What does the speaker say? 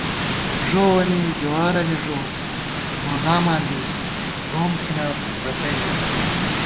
ݫووَنی جوارَنی ݫو یا گوداماں دی ، گوم تھنہ رتئ ژَمېت